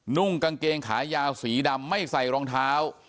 นุ่งกางเกงขายาวสีดำไม่ใส่รองเท้า